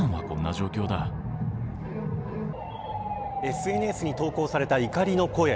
ＳＮＳに投稿された怒りの声。